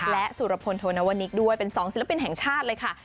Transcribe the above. และสุรพลโทนวนิกด้วยเป็น๒ศิลปินแห่งชาติเลยค่ะ